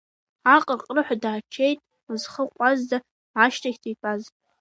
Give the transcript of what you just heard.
Аҟырҟырҳәа дааччеит зхы ҟәазӡа ашьҭахьӡа итәаз.